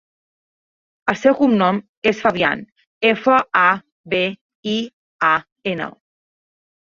El seu cognom és Fabian: efa, a, be, i, a, ena.